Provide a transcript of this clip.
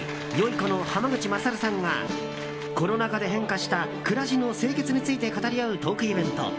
この濱口優さんがコロナ禍で変化した暮らしの清潔について語り合うトークイベント